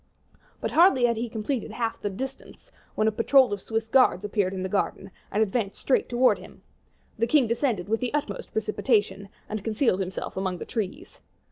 But hardly had he completed half the distance when a patrol of Swiss guards appeared in the garden, and advanced straight towards them. The king descended with the utmost precipitation, and concealed himself among the trees.